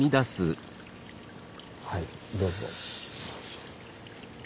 はいどうぞ。